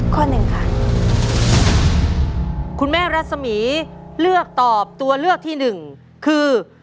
หนึ่งค่ะคุณแม่รัศมีร์เลือกตอบตัวเลือกที่หนึ่งคือ